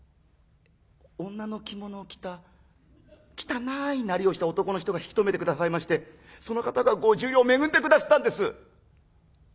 女の着物を着た汚いなりをした男の人が引き止めて下さいましてその方が５０両恵んで下すったんです」。